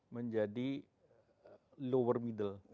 menjadi lower middle